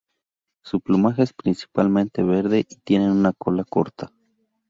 Su plumaje es principalmente verde y tienen una cola corta.